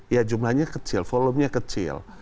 ya jumlahnya kecil volumenya kecil